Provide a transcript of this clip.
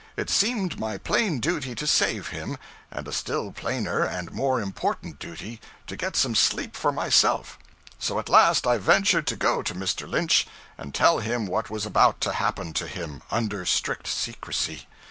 It seemed my plain duty to save him, and a still plainer and more important duty to get some sleep for myself, so at last I ventured to go to Mr. Lynch and tell him what was about to happen to him under strict secrecy.